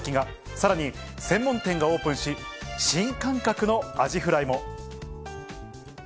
さらに、専門店がオープンし、新感覚のアジフライも。